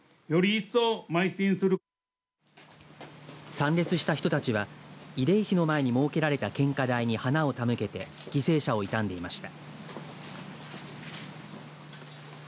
参列した人たちは慰霊碑の前に設けられた献花台に花を手向けて犠牲者を悼みました。